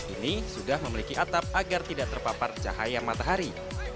ini sudah memiliki atap agar tidak terpapar cahaya matahari